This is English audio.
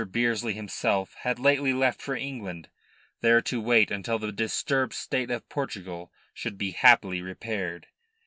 Bearsley himself had lately left for England, there to wait until the disturbed state of Portugal should be happily repaired.